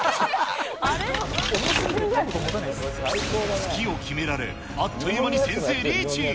突きを決められ、あっという間に先生リーチ。